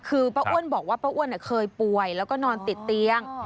คือป้าอ้วนบอกว่าป้าอ้วนเคยป่วยแล้วก็นอนติดเตียง